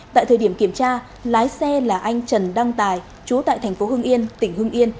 tại thời điểm kiểm tra lái xe là anh trần đăng tài chú tại thành phố hưng yên tỉnh hưng yên